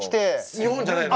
日本じゃないの。